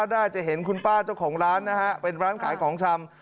น่าจะเห็นคุณป้าเจ้าของร้านนะฮะเป็นร้านขายของชำ